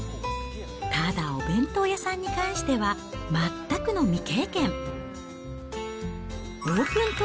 ただ、お弁当屋さんに関しては全くの未経験。